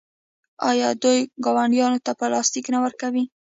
آیا دوی ګاونډیانو ته پلاستیک نه ورکوي؟